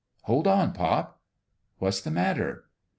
" Hold on, pop !"" What's the matter?"